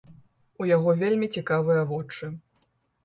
У яго вельмі цікавыя вочы.